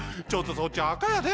そっちあかやで。